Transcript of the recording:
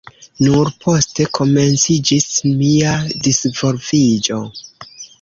Nur poste komenciĝis mia disvolviĝo.